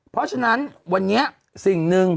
เพราะฉะนั้นวันนี้สิ่งหนึ่ง